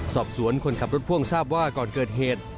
สอบสวนคนขับรถพ่วงทราบว่าก่อนเกิดเหตุ